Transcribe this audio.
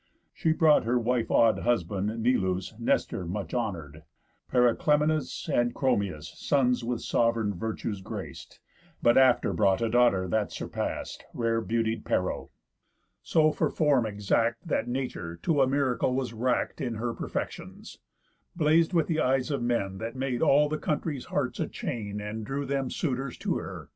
She brought her wife awed husband, Neleús, Nestor much honour'd, Periclymenus, And Chromius, sons with sov'reign virtues grac'd; But after brought a daughter that surpass'd, Rare beautied Pero, so for form exact That Nature to a miracle was rack'd In her perfections, blaz'd with th' eyes of men; That made of all the country's hearts a chain, And drew them suitors to her.